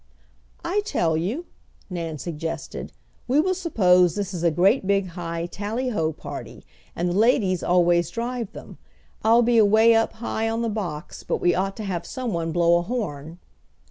"I tell you," Nan suggested. "We will suppose this is a great big high tally ho party, and the ladies always drive them. I'll be away up high on the box, but we ought to have someone blow a horn!"